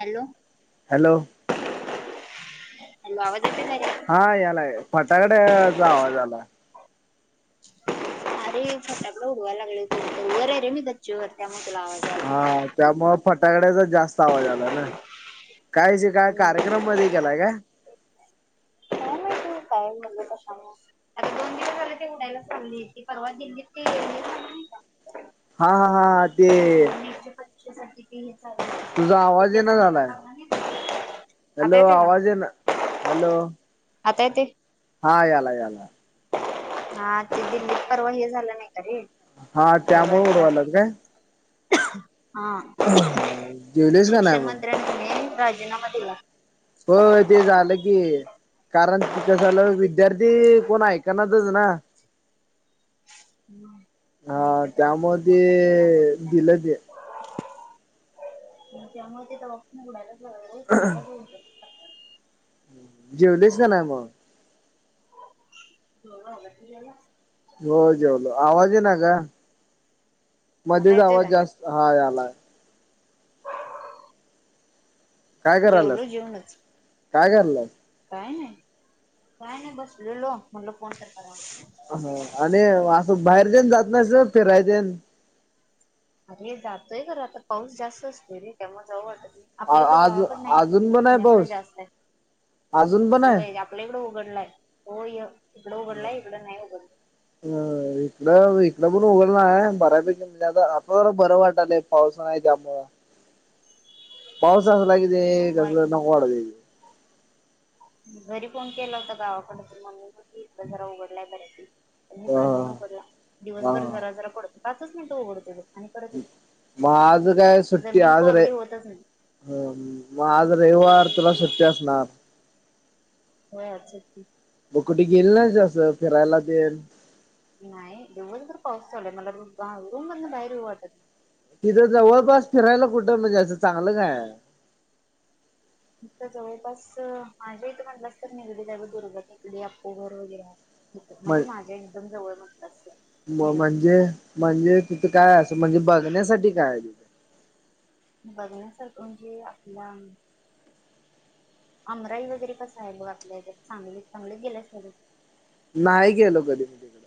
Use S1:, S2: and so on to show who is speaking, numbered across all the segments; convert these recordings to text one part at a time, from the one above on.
S1: Hello
S2: hello
S1: तुला आवाज येतय का नाय?
S2: हा यायला फटाकड्याचा आवाज आला. [inaudible]
S1: अरे फटाकड्य उडवायला लागल्याती. वर आहे रे मी गच्चीवरर त्या मूळे तूला आवाज. आला.
S2: हा त्यामुळ फटाकड्याचा जास्त. आवाज आलाना काय जीकाय
S1: हम्म
S2: कार्यक्रम मध्ये केलाय का?
S1: काय माहिती काय म्हनल कशाला आता दोन दिवस झाल. ते उडायला चाली परवा दिल्लीत ते. का?
S2: हा हा ते.
S1: चालथ
S2: तुझा आवाज येना
S1: जा
S2: झालाय
S1: घा [unintelligible] आता येते का.
S2: ना हॅलो ना..
S1: आता येते.
S2: हा याला याला याला...
S1: हा ते दिल्लीत परवा हे झाला नाही का रे.
S2: हा त्यामुळे उडवालात काय.?
S1: खो खो.. हा
S2: जेवलीस का नाही
S1: शिक्षण
S2: मग
S1: मंत्र्यांन की नाय राजीनामा दिला.
S2: होय ते झालं की, कारण ते कसं झालं विद्यार्थी कोण हाय. त्यांना तच ना. हा
S1: नीटच्या
S2: त्या मूळते.... दिलं ते.
S1: भुभु... आणि त्यामुळ ते त उडायलाच सुंदरच होऊत.
S2: जेवलीस का नाय मग.
S1: हो गला. [unintelligible]
S2: हो जेवलो. आवाज येना काय
S1: आता
S2: मध्येच
S1: येतोय
S2: आवाज
S1: काय?
S2: जास्त हा यालाय. काय करायलास
S1: जेवलो जेवूनच.
S2: काय करायलास
S1: काय नाय, काय नाही बसलेलो म्हनल फोन तर कराव.
S2: ह आणि असं बाहेर जन जात नाहीस फिरायतेन.
S1: अरे जातोय खर. आता पाऊस जास्त असतोय रे त्यामुळे जावू वाटत नाय. आपल्या इत
S2: आज
S1: गावाकड नाही येवड खर
S2: अजून
S1: तर
S2: पण आहे
S1: पुण्याकडे
S2: पाऊस
S1: जास्तय आहे
S2: अजून पण आहे
S1: होय पेलग उघड लाय होय. तिकड उघडलाय इकड नाही उघडलाय.
S2: अ.. इकड इकड पण उघडलाय बऱ्यापैकी म्हणजे आता आता जरा बरं वाटालंय. पाऊस नाही, त्यामुळ, पाऊस असला की, ते कस
S1: मग
S2: नको वाटतय.
S1: घरी फोन केला होता गावाकडे, तर मम्मी बोली इकड जरा उघडलाय बर्‍यापैकी.
S2: ते
S1: ईकड नाही
S2: हा
S1: उघडला.
S2: हा
S1: दिवसभर जरा जरा पडत होता. पाच मिनिट उघडतोय बघ. आणि परत येतोय
S2: माज काय आज
S1: ती
S2: सुट्टी
S1: जमीन
S2: आज रवि.
S1: कोरडी होतच नाही.
S2: मग आज रविवार, तुला सुट्टी असणार.
S1: होय, आज सुट्टी.
S2: तू कुठे गेली नाय जास्त असं फिरायला ते...
S1: नाही दिवस भर पाऊस चालू ये, मला रूम मधन बाहेर येऊ वाटत नाह.
S2: तिथं जवळपास फिरायला कुठं, म्हणजे असं चांगलं काय?
S1: इथं जवळपास, माझ्या इथ म्हटलंस तर निगडीलाय बघ, जाब दुर्घटनेकडे [unintelligible] आपघर वगैरे. इथं,
S2: म्हण
S1: म्हणजे माझ्या एकदम जवळ म्हटलं अस
S2: म
S1: निगडित.
S2: म्हणजे म्हणजे तिथं काय अस, म्हणजे बघण्यासाठी काय आहे तिथं?
S1: बघण्या सारख म्हणजे, आपला आमराई वगैरे कसं आहे बघ आपल्या हच्यात चांगली चांगले गेल्यास कधी?
S2: नाही गेलो कधी. तिकडे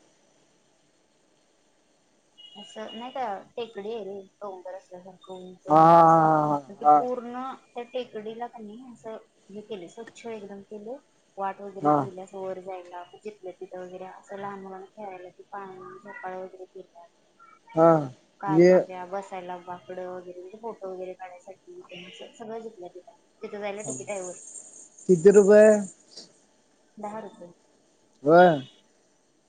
S1: असं नाही का, टेकडी आहे रे डोंगर असल्या सारखी. हो उंच उंच असा
S2: हा
S1: ते
S2: हा
S1: पूर्ण त्या टेकडीला कनी असं हे केलं स्वच्छ एकदम केले वाट वगैरे
S2: हा हा
S1: ठेवल्या. वर जायला, जिथल्या तिथं वगैरे असं लहान मुलांना खेळायला ते पाळणा, झोपाळ्या वगैरे केला.
S2: हा. म्हणजे
S1: कारण त्या बसायला बाक कड वगैरे म्हणजे फोटो वगैरे काढण्यासाठी सगळं जिथल्या तिथ आहे तिथ जायला तिकिट आहे वर.
S2: किती रुपय?
S1: दहा रूपय.
S2: बर,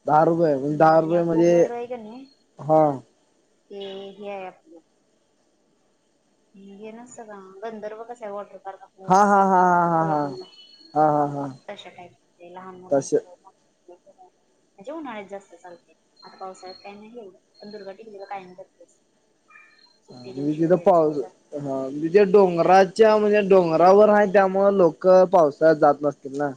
S2: दहा रुपये, मग
S1: हम्म,
S2: दहा
S1: आणि
S2: रुपये
S1: अख्खं
S2: म्हणजे
S1: घर आहे कणी
S2: हा
S1: ते हे हे नसत का गंधर्व कसा आहे वॉटर पार्क?
S2: हा
S1: आपल्या
S2: हा हा हा हा हा
S1: कोल्हापूरचा
S2: हा हा हा
S1: तशा टाईपमध्ये लहान
S2: तस.
S1: मुलांचं
S2: [inaudible]
S1: म्हणजे उन्हाळ्यात जास्त चालते. आता पावसाळ्यात काही नाही. पण दुर्गा टिकली [unintelligible] काय नाही [unintelligible] करतेच.
S2: अ
S1: सुट्टी दिवशी
S2: -तिथ
S1: वगैरे
S2: पाऊस
S1: सगळे जातात
S2: हा म्हणज जे डोंगराच्या, म्हणजे डोंगरावर आहे त्यामुळ लोक पाऊस अ -जात नसतील ना?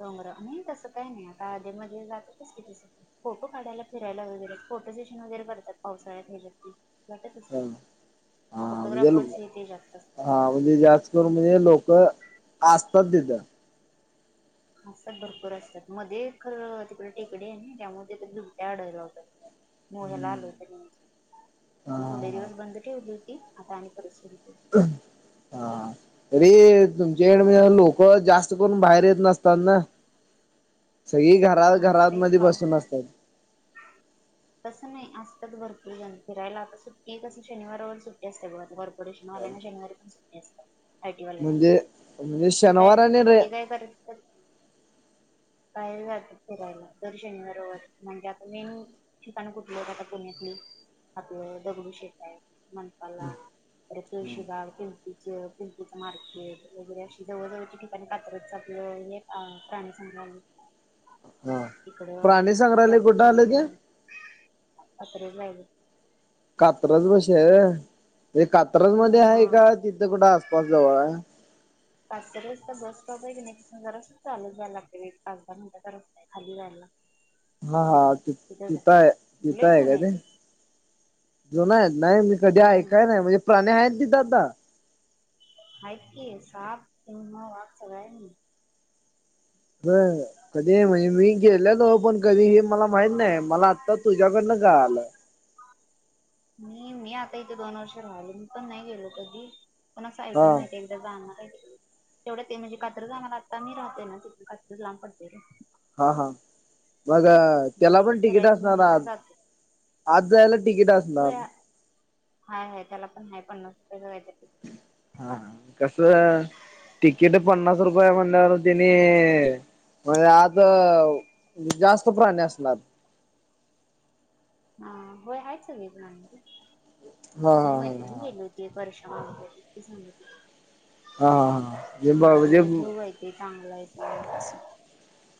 S1: डोंगर, नाही तसं काही नाही, आता अधि मध्यी जातातच की तस. फोटो काढायला, फिरायला वगैरे, फोटो सेशन वगैरे करतात पावसाळ्यात गेलकी. वाटत
S2: हा
S1: असते,
S2: हा
S1: फोटोग्राफर्स हे ते जास्त असतात तिकडे.
S2: हो म्हय लोक असतात तिथ.
S1: असतात, भरपूर असतात, मध्ये खरं तिकडे टेकडी आहे ना, त्यामुळे बिबट्या आढळला होता.
S2: [inaudible]
S1: मोबाईलला आल होता न्यूज,
S2: हा
S1: थोडे
S2: हा
S1: दिवस बंद ठेवली होती. आता आणि परत सुर केल.
S2: ह -हा. आ तरी तुमच्याकडे म्हणजे लोक जास्त करून बाहेर येत नसतात ना? सगळी घरा घरात
S1: नमस्ते
S2: मध्ये
S1: पाव
S2: बसून असतात.
S1: तसं नाही, असतात भरपूर जण फिरायला. आता सुट्टी कसं, शनिवार रविवार सुट्टी असते बघ भरपूर कृष्ण आलाय [unintelligible] ना शनिवारी पण सुट्टी असते. आय टी वाल्याना
S2: म्हणजे
S1: वगैरे,
S2: म्हणजे
S1: ते काय,
S2: शनिवार आणि रे
S1: ते काय करतत काही वाटत फिरायला, दर शनिवार रविवार म्हणल [unintelligible] मेन ठिकाणं कुठल आहे बगा पुण्यातले, आपलं दगडूशेठ आहेत. म्हणपाला [unintelligible] अरे तुळशी बाग किंती [unintelligible] [unintelligible] पिंकीच मार्केट, वगैरे अशी जवळजवळच्या ठिकाणी कात्रजच आपलं हे प्राणी संग्रलय
S2: हा, प्राणी संग्रहालय कुठे?
S1: सग
S2: आलं
S1: तर
S2: ते
S1: अत्र जायल [unintelligible]
S2: कात्रज बसे आहे हे कात्रज
S1: हो
S2: मध्ये आहे
S1: हा
S2: का तिथं कुठं आसपास जवळ हाय?
S1: कात्रजचा बस स्टॉप आहे की नाही तिथून जरसच चालच जाय लागते एक पाच दहा मिनटाचा रस्ता. खाली झाला [unintelligible]
S2: हा हा तिथय
S1: आहे
S2: तिथय
S1: लय
S2: आहे
S1: जुनं
S2: का ते? जुन आहेत नाही मी कधी आय
S1: हम्म
S2: काय नाही म्हणजे प्राणी आहेत तिथ आता?
S1: आहेत की साप, सिव्ह, वाघ सगळ आहे.
S2: [unintelligible] कधी म्हणजे गेलेलो हो, पण कधी हे मला माहत नाही मला आत्ता तुझ्याकडनं कळाल.
S1: मी, मी आता इथे दोन वर्ष राहिलो मी पण नाही गेलो कधी. पण असं
S2: हा
S1: ऐकून माहितीय. जा तेवढं [unintelligible] ते म्हणजे कात्र जाणार आता मी राहते ना तिथ कात्रज लांब पडते.
S2: हा हा बघा त्याला
S1: कधी तर
S2: पण तिकीट
S1: फिरायचं
S2: असणार
S1: म्हटलं तर
S2: आत,
S1: जातोय
S2: आत जायला तिकीट असणार.
S1: होय हाय हाय, त्याला पण हाय पन्नास रुपये का हाय तिकीट [unintelligible]
S2: हा हा कस? तिकीट पन्नास रुपये हाय म्हणल्यावर तेने होय आत जास्त प्राणी असणार.
S1: हा होय आहेत सगळे प्राणी
S2: हा
S1: माझी
S2: हा हा
S1: मैत्रिण गेली होती. परश्र सांगांग
S2: हा हा हा हा जे
S1: म्हणजे झू [unintelligible] ते चालंय ते [inaudible]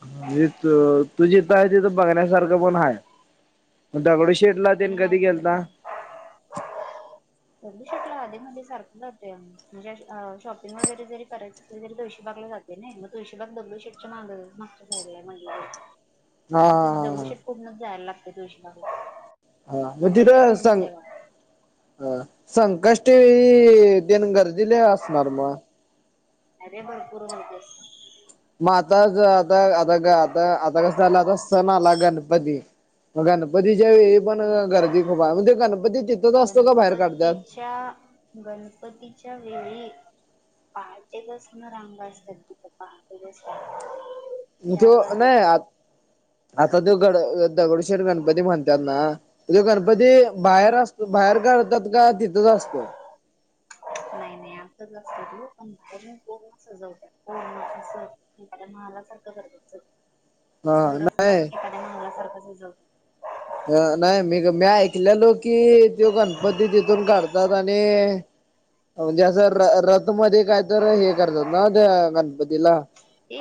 S2: [unintelligible] तू जिथ आहे तिथ बघण्यासारखं पण हाय दगडूशेठ
S1: मी आहे तिथ.
S2: [inaudible]
S1: दगडूशेट ला अधिमाधी मध्ये सारखं जातोय आम्ही. म्हणजे शॉपिंग वगैरे जरी करायचं असेल तरी तुळशीबाग ला जातो. ते नाही, म तुळशीबाग दगडूशेठ च्या माग मागच्या साईडला म्हणतरी.
S2: हा
S1: म्हणजे दगडू
S2: हा
S1: शेट पडूनच द्यायला लागतेय पैसे [unintelligible]
S2: हा मग तिथं सांग. ह -संकष्टी देन, गर्दीलय असणार मग?
S1: अरे भरपूर गर्दी असते.
S2: म आताज आता आताग आता कसं झालं आता सण आला गणपती. म गणपतीच्या वेळी पणअ गर्दी खूप आहे म्हणजे गणपती तिथच असतो का बाहेर काढतात?
S1: त्या गणपतीच्या वेळी पहाटे पसन रांगा असतात तिथं पहाटे पासन.
S2: इथे नाही आज [unintelligible] आता त्यो गण दगडूशेठ गणपती म्हणत्यात ना, त्यो गणपती बाहेर असत बाहेर काढतात का तिथंच असतात?
S1: नाही नाही आतच असतो तो पण तरी कोरोण [unintelligible] सजवतात कोरोना पासून तिथलं महाला सारखं करतात. [unintelligible]
S2: [inaudible]
S1: तो रस्ताच
S2: नाही
S1: एखाद्या मंदिरासारखा सजवतात.
S2: अ नाही मी- मी ऐकलेलो की त्यो गणपती तिथून काढतात आणि म्हणजे असं र रथ मध्ये काय तर हे करतात ना त्या गणपतीला?
S1: ते,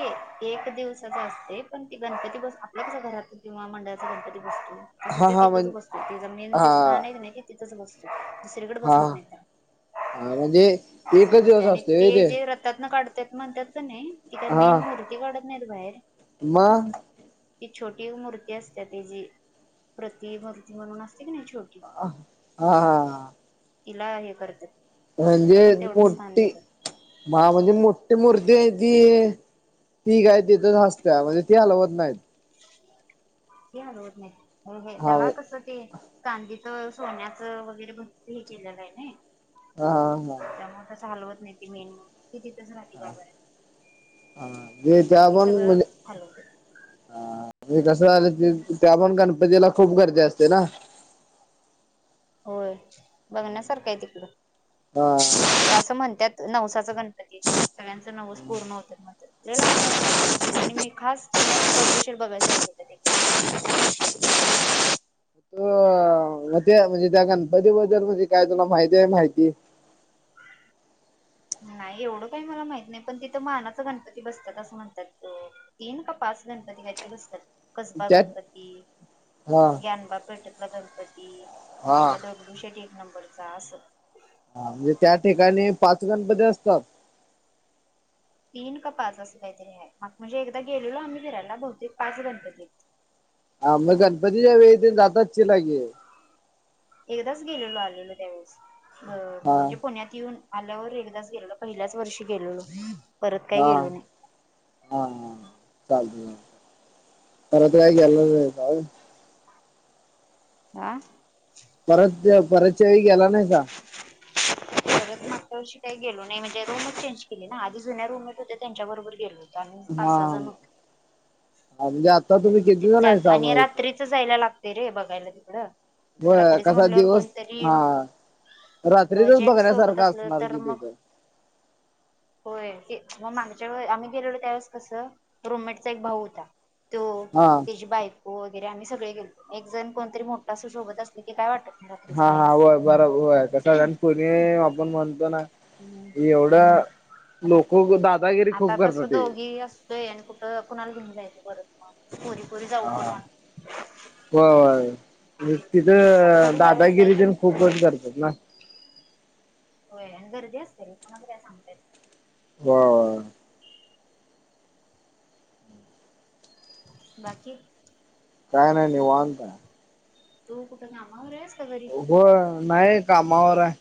S1: एक दिवसाच असतय पण ते गणपती बस आपल्या कस घरात किंवा मंडळाचा गणपती बसतो तसं
S2: हा
S1: त
S2: हा
S1: तिथंच
S2: म्हण
S1: बसतो, तिचं मेन
S2: हा
S1: जे स्थान आहे की नाही ते तिथंच बसतो. सगळीकडे
S2: हा
S1: बसवत नाहीत,
S2: हा म्हणजे
S1: तिथं च
S2: एकच दिवस
S1: बसतोय आणि
S2: असतोय व्हय
S1: ते जे रथ त्यात न काढत्यात म्हणतात का नाही ती काय मेन मूर्ती काढत नाहीत बाहेर.
S2: मग?
S1: ती छोटी एक मूर्ती असत्यख तेजी प्रति मूर्ती म्हणून असते की नाही छो
S2: हा हा.
S1: तिला ये करत्यात
S2: म्हणजे मोटी. मा म्हणजे मोठी मुर्ती आहे ती ती काय तिथंतच आस त्यामध्ये ती हालवत नाहीत.
S1: ती हालवत नाहीत
S2: हा
S1: त्याला कस ते चांदीचं सोन्याचं वगैरे भरपूर हे केलेलं आहे नई.
S2: हा हा हा.
S1: त्यामुळं कसं ते हलवत नाही ते मेन ती तिथंच राहती गाव आहे
S2: हा जे
S1: बाकी सगळं हालवत्यात.
S2: हा कसं झाल त्या पण गणपतीला खूप गर्दी असते ना.
S1: होय बघण्यासारखं आहे तिकडं.
S2: हा.
S1: असं म्हणत्यात नवसाचा गणपती सगळ्यांच नवंस पूर्ण होत्यात म्हणत्यात. लय लांबन येत्यात माणसं आणि मी खास पुण्यात दगडूशेठ बघायसाठी येत्यात एक एक जण. [inaudible]
S2: हा मग त्या म्हणजे गणपतीबद्दल म्हणजे काय तुला माहिती आहे माहिती?
S1: [inaudible] नाही एवढं काही मला माहित नाही, ‌पण तिथं मानाचा गणपती बसतात असं म्हणतात. तीन का पाच गणपती काहीतरी बसतात. कसबा
S2: त्यात
S1: गणपती,
S2: हा
S1: ज्ञानबा पेठतला गणपती,
S2: हा
S1: आपला दगड दगडूशेठ एक नंबरचा असं.
S2: हा म्हणजे त्या ठिकाणी पाच गणपती असतात.
S1: तीन का पाच असं काहीतरी आहे. मग म्हणजे एकदा गेलेलो आम्ही फिरायला बहुतेक पाच गणपती हाईत.
S2: हा मग गणपतीच्यावेळी‌ तेन जात असशीला की?
S1: एकदाच गेलेलो आलेलो त्यावेेळेस म
S2: हा
S1: म्हणजे पुण्यात येऊन आल्यावर एकदाच गेलेलो, पहिल्याच वर्षी गेलेलो. परत काही
S2: हा.
S1: गेलो नाही
S2: हा हा. चालतंय चालतंय. परत [unintelligible]
S1: आ?
S2: परत परतच्या वेळी गेला नाहीसा?
S1: परत मागच्या वर्षी काही गेलो नाही म्हणजे रूमच चेंज केली ना. आधी जुन्या रूममेट होते त्यांच्याबर गेलेलो. ते आम्ही पाच
S2: हा
S1: सहा जण होतो.
S2: हा म्हणजे आता तुम्ही किती जण
S1: त्यात
S2: आहेसा
S1: आणि
S2: मग इथं
S1: रात्री जायला लागते रे बघायला तिकडं.
S2: होय
S1: रात्रीच
S2: कसा
S1: म्हटल्यावर
S2: दिवस
S1: कोणतरी
S2: हा रात्रीतच
S1: जेंट्स सोबत
S2: बघण्यासारखा
S1: असलं
S2: असणार
S1: तर
S2: कि
S1: मग
S2: तिथं. [inaudible]
S1: होय ते मग मागच्या आम्ही गेलेलो त्यावेळेस कसं रुममेटचा एक भाऊ होता. तो,
S2: हा
S1: त्याची बायको वगैरे आम्ही सगळे गेलतो. एक जण कोणतरी मोठं असं सोबत असलं की काय वाटत नाही रात्रीच
S2: हा हा
S1: बाहेर
S2: होय बरोबर होय. [unintelligible] आपण म्हणतो ना
S1: जायला.
S2: एवढं लोक दादागिरी खूप करतात [unintelligible]
S1: ते आणि कुठं कुणाला घेऊन जायचं परत. पोरी पोरी [unintelligible]
S2: हा.
S1: वाटत
S2: होय
S1: आता
S2: तिथं
S1: बघू यावेळेस
S2: दादागिरी
S1: जायचं
S2: तेण
S1: म्हटलं
S2: खूपच करतात ना.
S1: होय आणि गर्दी असते रे कोणा का सांगतय.
S2: [unintelligible]
S1: बाकी!
S2: काय नाही निवांत.
S1: तू कुठं कामावर आहेस का घरी?
S2: हो नाही कामावर आहे.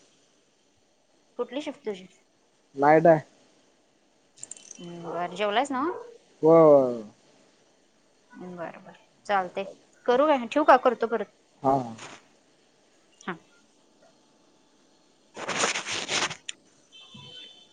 S1: कुठली शिफ्ट तुची?
S2: नाईट हाय.
S1: हम बरं जेवलास नव.
S2: हो.
S1: बर बर चालते करूया ठेव का करतो परत.
S2: हा.
S1: हा [inaudible]